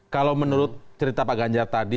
kalau menurut cerita pak ganjar tadi